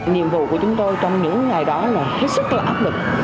nhiệm vụ của chúng tôi trong những ngày đó là hết sức là áp lực